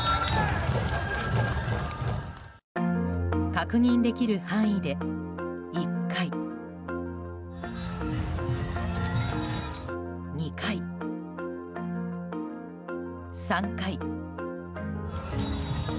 確認できる範囲で１回、２回、３回。